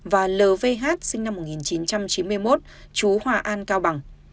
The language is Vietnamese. và lv sinh năm một nghìn chín trăm chín mươi một chú hòa an cao bằng